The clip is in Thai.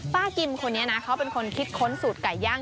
ป้ากิมคนนี้นะเขาเป็นคนคิดค้นสูตรไก่ย่าง